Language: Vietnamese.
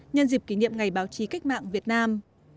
nhân dịp kỷ niệm ngày báo chí cách mạng việt nam